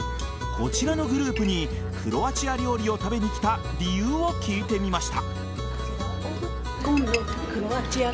こちらのグループにクロアチア料理を食べに来た理由を聞いてみました。